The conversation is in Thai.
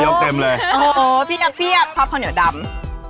นี่แม่ยกเต็มเลยโอ้โหเพียบท็อปข้าวเหนียวดำ